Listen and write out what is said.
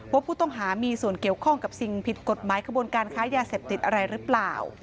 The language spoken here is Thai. ว่าผู้ต้องหามีส่วนเกี่ยวข้องกับสิ่งผิดกฎหมายขบวนการค้ายาเสพติดอะไรหรือเปล่า